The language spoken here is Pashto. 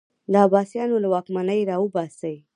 د عباسیانو له واکمني راوباسي